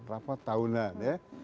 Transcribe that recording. rapat tahunan ya